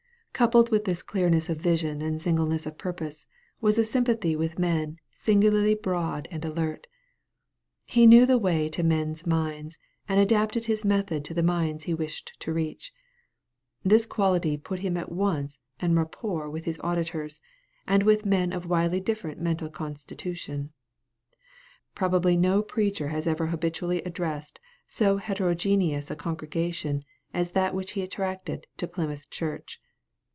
Coupled with this clearness of vision and singleness of purpose was a sympathy with men singularly broad and alert. He knew the way to men's minds, and adapted his method to the minds he wished to reach. This quality put him at once en rapport with his auditors, and with men of widely different mental constitution. Probably no preacher has ever habitually addressed so heterogeneous a congregation as that which he attracted to Plymouth Church.